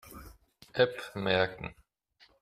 App merken.